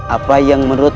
apa yang menurut